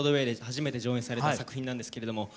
初めて上演された作品なんですけれども。